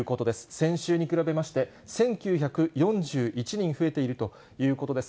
先週に比べまして、１９４１人増えているということです。